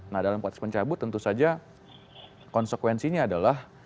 nah dalam konteks pencabut tentu saja konsekuensinya adalah